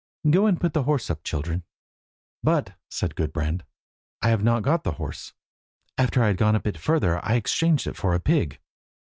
Go and put the horse up, children." "But," said Gudbrand, "I have not got the horse. After I had gone a bit further I exchanged it for a pig."